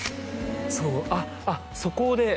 そうあっそこで？